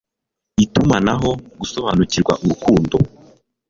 itumanaho, gusobanukirwa, urukundo